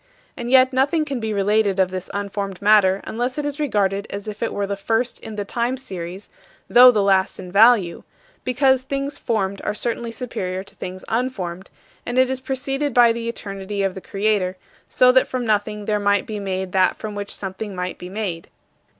And yet nothing can be related of this unformed matter unless it is regarded as if it were the first in the time series though the last in value because things formed are certainly superior to things unformed and it is preceded by the eternity of the Creator, so that from nothing there might be made that from which something might be made.